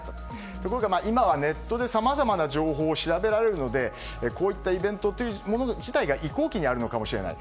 ところが、今はネットでさまざまな情報を調べられるので、こういったイベントというもの自体が移行期にあるかもしれない。